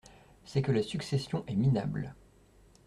C’est que la succession est minable…